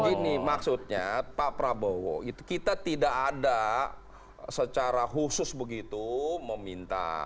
begini maksudnya pak prabowo itu kita tidak ada secara khusus begitu meminta